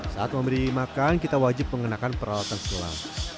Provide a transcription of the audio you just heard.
saat memberi makan kita wajib mengenakan peralatan selam